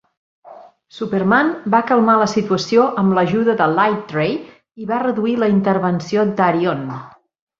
Superman va calmar la situació amb l'ajuda de Lightray i va reduir la intervenció d'Arion.